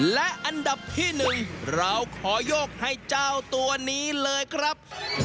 และอันดับที่๑เราขอยกให้เจ้าตัวนี้เลยครับ